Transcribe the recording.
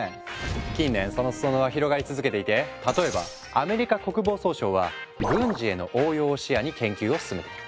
近年その裾野は広がり続けていて例えばアメリカ国防総省は軍事への応用を視野に研究を進めている。